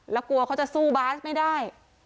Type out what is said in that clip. แล้วกลัวเขาจะสู้บาสไม่ได้